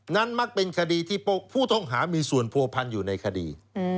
มักเป็นคดีที่ผู้ต้องหามีส่วนผัวพันอยู่ในคดี